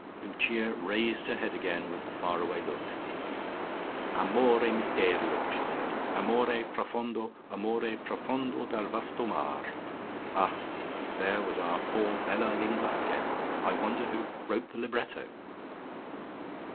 Lucia raised her head again with the far away look. "Amore misterio!" she said. "Amore profondo! Amore profondo del vasto mar." "Ah, there was our poor bella lingua again. I wonder who wrote the libretto."